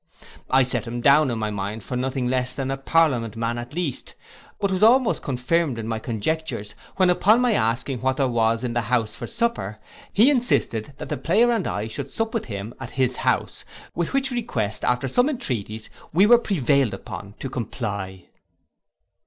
I set him down in my mind for nothing less than a parliament man at least; but was almost confirmed in my conjectures, when upon my asking what there was in the house for supper, he insisted that the Player and I should sup with him at his house, with which request, after some entreaties, we were prevailed on to comply.